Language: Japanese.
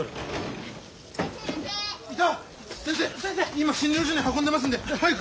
今診療所に運んでますんで早く！